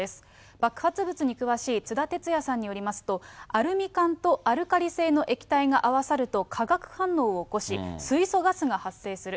爆発物に詳しい津田哲也さんによりますと、アルミ缶とアルカリ性の液体が合わさると化学反応を起こし、水素ガスが発生する。